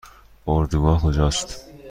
اردوگاه کجا است؟